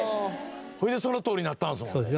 それでそのとおりになったんですもんね。